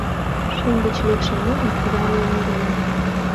Шӱм гыч лекше мурым ямлын мурена.